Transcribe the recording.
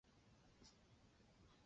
季羡林请胡适斧正。